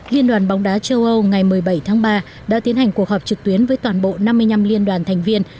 liên đoàn bóng đá châu âu ngày một mươi bảy tháng ba đã tiến hành cuộc họp trực tuyến với toàn bộ năm mươi năm liên đoàn thành viên